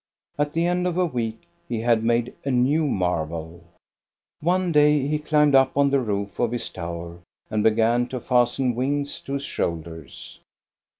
At the end of a week he had made a new marvel. One day he climbed up on the roof of his tower and began to fasten wings to his shoulders.